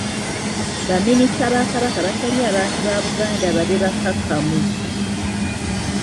Ba minisita ba Kabaka basabye abantu ba Buganda babe bakkakkamu.